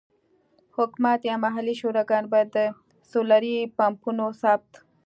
حکومت یا محلي شوراګانې باید د سولري پمپونو ثبت.